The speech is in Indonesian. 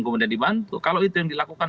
kemudian dibantu kalau itu yang dilakukan